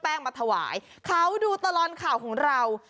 เขาดูตลอดข่าวของเรา